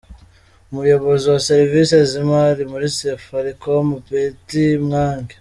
Umuyobozi wa Serivisi z’ imari muri Safaricom, Betty Mwangi,.